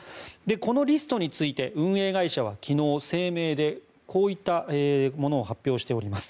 このリストについて運営会社は昨日声明で、こういったものを発表しています。